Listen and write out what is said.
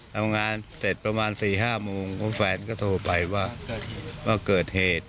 ทำงานเสร็จประมาณ๔๕โมงแฟนก็โทรไปว่าเกิดเหตุ